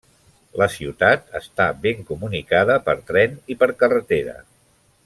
La ciutat està ben comunicada per tren i per carretera.